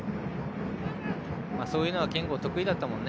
そういうのは憲剛、得意だったもんね。